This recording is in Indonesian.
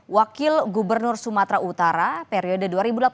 wakil gubernur sumatera utara periode dua ribu delapan belas dua ribu